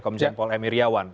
komisian pol emi riawan